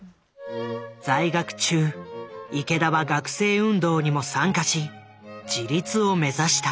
在学中池田は学生運動にも参加し自立を目指した。